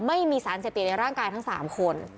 ไม่มีสารเสพติดในร่างกายทั้ง๓คน